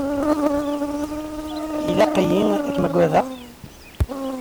Ilaq-iyi ad kem-agadeɣ?